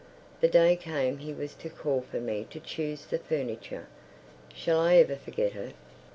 The day came he was to call for me to choose the furniture. Shall I ever forget it?